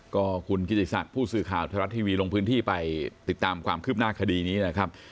ก็คุณกิจิสัตว์ผู้สื่อข่าวธรรมนิติวิทย์ลงพื้นที่ไปติดตามความคืบหน้าคดีนี้นะครับ